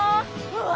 うわ！